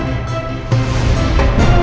jangan lupa joko tingkir